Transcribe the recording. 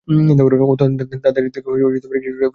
তাদের থেকে কিছুটা দুরে অবস্থান করো।